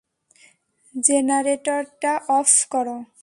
জেনারেটরটা off করো!